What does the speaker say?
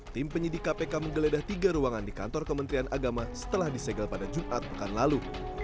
tim penyidik kpk menggeledah tiga ruangan di kantor kementerian agama setelah disegel pada jumat pekan lalu